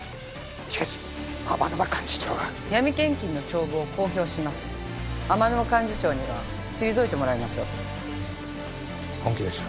しかし天沼幹事長が闇献金の帳簿を公表します天沼幹事長には退いてもらいましょう本気ですか？